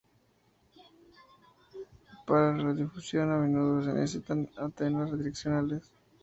Para radiodifusión a menudo se necesitan antenas direccionales.